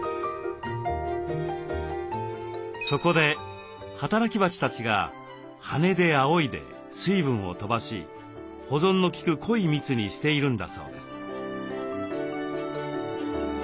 そこで働き蜂たちが羽であおいで水分を飛ばし保存のきく濃い蜜にしているんだそうです。